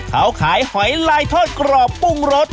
เขาขายหอยลายทอดกรอบปรุงรส